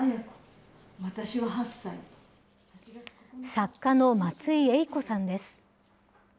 作家の松井エイコさんです。